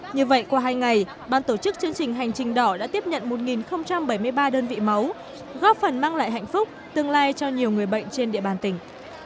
như vậy qua hai ngày ban tổ chức chương trình hành trình đỏ đã tiếp nhận một bảy mươi ba đơn vị máu góp phần mang lại hạnh phúc tương lai cho nhiều người bệnh trên địa bàn tỉnh